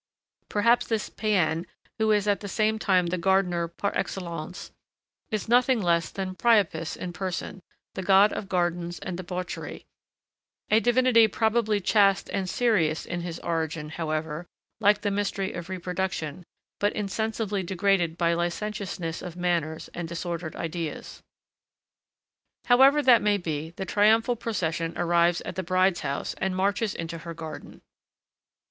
Perhaps this païen, who is at the same time the gardener par excellence, is nothing less than Priapus in person, the god of gardens and debauchery, a divinity probably chaste and serious in his origin, however, like the mystery of reproduction, but insensibly degraded by licentiousness of manners and disordered ideas. However that may be, the triumphal procession arrives at the bride's house and marches into her garden.